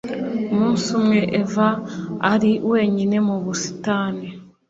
umunsi umwe eva ari wenyine mu busitani,.